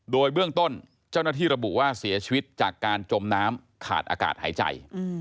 โดยเบื้องต้นเจ้าหน้าที่ระบุว่าเสียชีวิตจากการจมน้ำขาดอากาศหายใจ